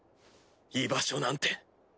居場所なんて。